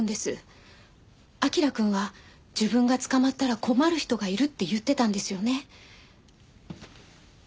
彬くんは自分が捕まったら困る人がいるって言ってたんですよね？